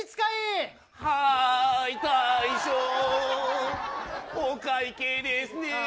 はい、大将お会計ですね。